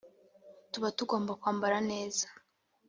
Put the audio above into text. tuba tugomba kwambara neza